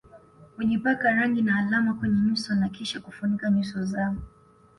Hujipaka rangi na alama kwenye nyuso na kisha kufunika nyuso zao